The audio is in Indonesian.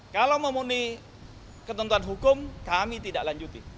kalau memenuhi ketentuan hukum kami tidak lanjuti